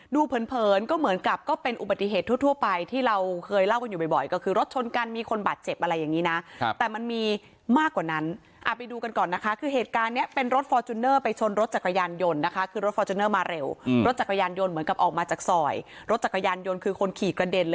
เผินเผินก็เหมือนกับก็เป็นอุบัติเหตุทั่วไปที่เราเคยเล่ากันอยู่บ่อยก็คือรถชนกันมีคนบาดเจ็บอะไรอย่างนี้นะแต่มันมีมากกว่านั้นไปดูกันก่อนนะคะคือเหตุการณ์เนี้ยเป็นรถฟอร์จูเนอร์ไปชนรถจักรยานยนต์นะคะคือรถฟอร์จูเนอร์มาเร็วรถจักรยานยนต์เหมือนกับออกมาจากซอยรถจักรยานยนต์คือคนขี่กระเด็น